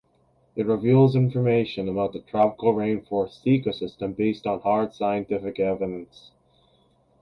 It reveals information about the tropical rainforest ecosystem based on hard scientific evidence.